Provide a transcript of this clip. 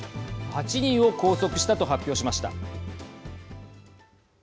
８人を拘束したと発表しました。